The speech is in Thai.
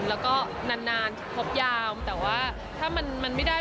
แล้วก็นานครบยาวแต่ว่าถ้ามันไม่ได้